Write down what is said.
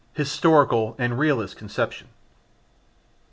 Historical and Realist Conception.